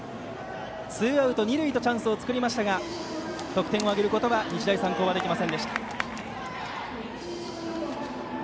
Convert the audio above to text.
ツーアウト二塁とチャンスを作りましたが日大三高、得点を挙げることはできませんでした。